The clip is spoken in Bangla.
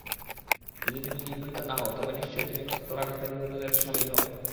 তুমি যদি নিবৃত্ত না হও তবে নিশ্চয় তুমি প্রস্তরাঘাতে নিহতদের শামিল হবে।